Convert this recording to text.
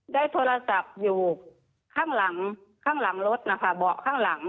ได้โทรศัพท์อยู่ข้างหลังข้างหลังรถนะคะเบาะข้างหลัง